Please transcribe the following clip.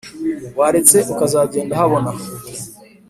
Waretse ukaza genda habona